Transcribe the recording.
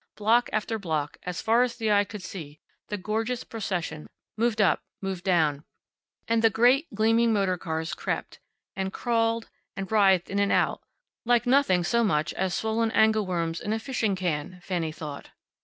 Block after block, as far as the eye could see, the gorgeous procession moved up, moved down, and the great, gleaming motor cars crept, and crawled, and writhed in and out, like nothing so much as swollen angle worms in a fishing can, Fanny thought.